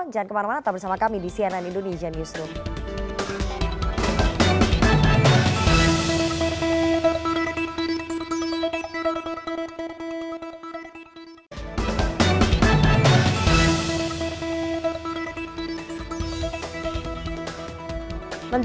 jangan kemana mana tetap bersama kami di cnn indonesian newsroom